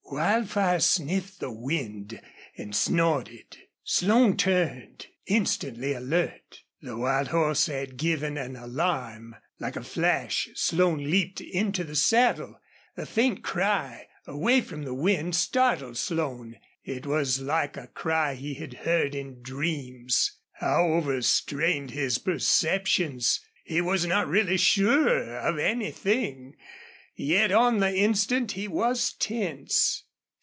Wildfire sniffed the wind and snorted. Slone turned, instantly alert. The wild horse had given an alarm. Like a flash Slone leaped into the saddle. A faint cry, away from the wind, startled Slone. It was like a cry he had heard in dreams. How overstrained his perceptions! He was not really sure of anything, yet on the instant he was tense.